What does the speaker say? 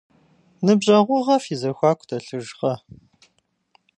Ныбжьэгъугъэ фи зэхуаку дэлъыжкъэ?